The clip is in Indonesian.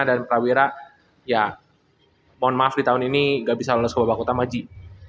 dan prawira ya mohon maaf di tahun ini gak bisa lolos ke babak utama ya tapi kita bisa melakukan ini ya